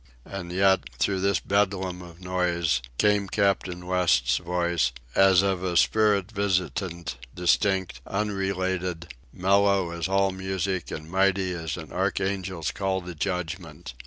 And yet, through this bedlam of noise, came Captain West's voice, as of a spirit visitant, distinct, unrelated, mellow as all music and mighty as an archangel's call to judgment.